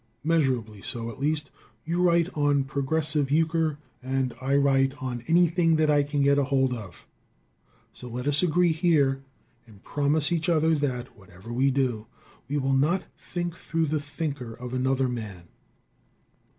Measurably so, at least. You write on progressive euchre, and I write on anything that I can get hold of. So let us agree here and promise each other that, whatever we do, we will not think through the thinker of another man.